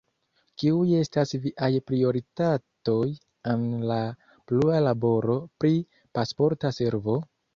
Kiuj estas viaj prioritatoj en la plua laboro pri Pasporta Servo?